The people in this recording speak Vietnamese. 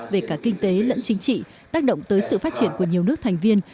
về cả kinh tế lẫn chính trị tác động tới sự phát triển của nhiều nước thành viên